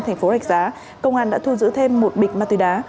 thành phố rạch giá công an đã thu giữ thêm một bịch ma túy đá